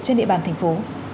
trên địa bàn thành phố